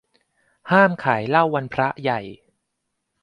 ห้ามขายเหล้าวันพระใหญ่